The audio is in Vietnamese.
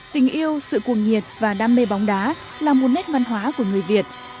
tình yêu sự cuồng nhiệt và đam mê bóng đá là một nét văn hóa của người việt